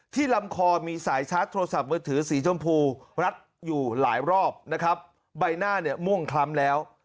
ลำคอมีสายชาร์จโทรศัพท์มือถือสีชมพูรัดอยู่หลายรอบนะครับใบหน้าเนี่ยม่วงคล้ำแล้ว